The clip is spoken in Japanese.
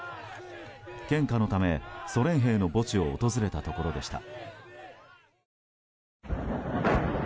献花のためソ連兵の墓地を訪れたところでした。